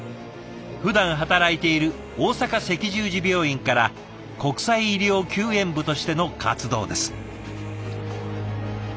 ふだん働いている大阪赤十字病院から国際医療救援部としての活動です。